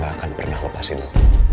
gue gak akan pernah lepasin lo